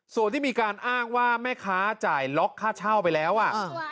ส่วนที่มีการอ้างว่าแม่ค้าจ่ายล็อกค่าเช่าไปแล้วอ่ะ